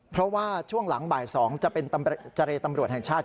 เพราะว่าช่วงหลังบ่าย๒จะเป็นเจรตำรวจแห่งชาติ